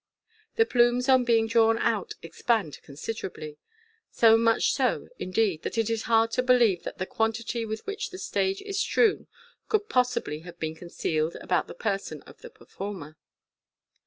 The plumes on being drawn out expand considerably ; so much so, indeed; that it is hard to believe that the quantity with which the stage is strewn could possibly have been concealed about the person of the performer.